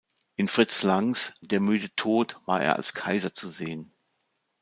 In Fritz Langs "Der müde Tod" war er als Kaiser zu sehen.